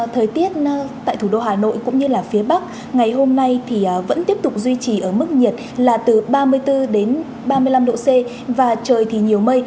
thời tiết tại thủ đô hà nội cũng như phía bắc ngày hôm nay thì vẫn tiếp tục duy trì ở mức nhiệt là từ ba mươi bốn ba mươi năm độ c và trời thì nhiều mây